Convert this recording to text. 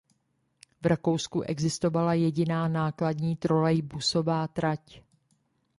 V Rakousku existovala jediná nákladní trolejbusová trať.